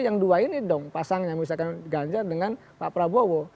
yang kata pak jokowi yang dua ini dong pasangannya misalkan ganjar dengan pak prabowo